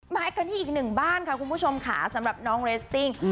มากันที่อีกหนึ่งบ้านค่ะคุณผู้ชมค่ะสำหรับน้องเรสซิ่ง